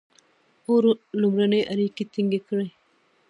• اور لومړنۍ اړیکې ټینګې کړې.